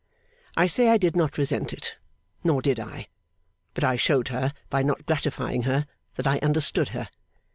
I say I did not resent it, nor did I; but I showed her, by not gratifying her, that I understood her.